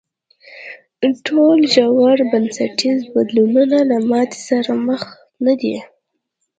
ټول ژور او بنسټیز بدلونونه له ماتې سره مخ نه دي.